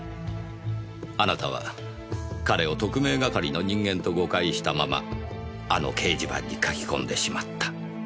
あなたは彼を特命係の人間と誤解したままあの掲示板に書き込んでしまった。